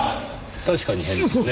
確かに変ですね。